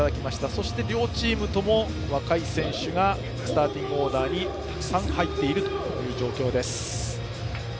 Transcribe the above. そして両チームとも若い選手がスターティングオーダーにたくさん入っている状況です。